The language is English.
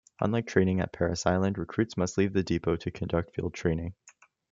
Unlike training at Parris Island, recruits must leave the depot to conduct field training.